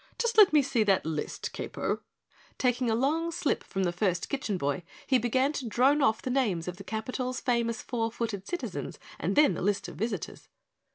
Just let me see that list, Kapo." Taking a long slip from the first kitchen boy, he began to drone off the names of the capital's famous four footed citizens and then the list of visitors.